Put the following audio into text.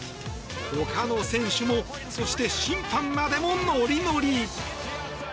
ほかの選手もそして審判までもノリノリ。